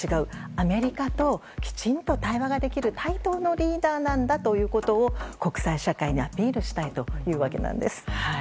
アメリカときちんと対話ができる対等のリーダーなんだということを国際社会にアピールしたいというわけです。